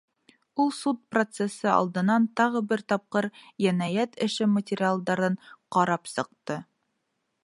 Ул суд процесы алдынан тағы бер тапҡыр енәйәт эше материалдарын ҡарап сыҡты.